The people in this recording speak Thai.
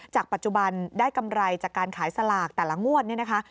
ปัจจุบันได้กำไรจากการขายสลากแต่ละงวดเนี่ยนะคะ